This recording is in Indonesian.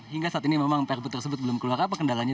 hingga saat ini memang perpu tersebut belum keluar apa kendalanya